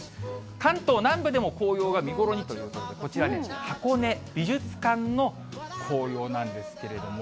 関東南部でも紅葉が見頃にということで、こちらね、箱根美術館の紅葉なんですけれども。